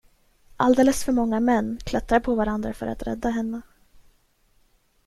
Alldeles för många män, klättrar på varandra för att rädda henne.